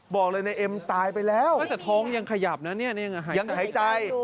บอกเลยนายเอ็มตายไปแล้วแต่ท้องยังขยับนะเนี่ยยังหายใจ